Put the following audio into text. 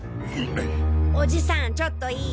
おじさんちょっといい？